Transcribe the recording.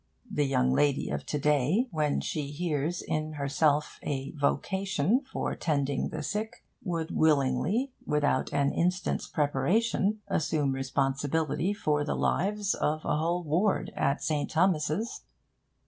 The young lady of to day, when she hears in herself a 'vocation' for tending the sick, would willingly, without an instant's preparation, assume responsibility for the lives of a whole ward at St. Thomas's.